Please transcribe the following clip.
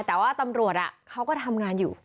แต่ว่าตำรวจเขาก็ทำงานอยู่